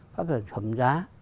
phát triển hầm giá